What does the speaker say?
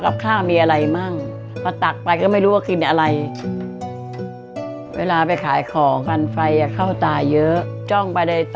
กับข้ามีอะไรมั่ง